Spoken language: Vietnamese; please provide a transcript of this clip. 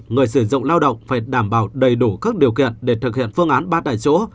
người sử dụng lao động phải đảm bảo đầy đủ các điều kiện để thực hiện phương án ba tại chỗ